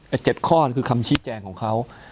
ไอ้๗ข้อคือคำชี้แจ้งของเขา